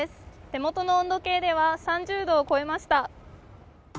手元の温度計では３０度を超えました。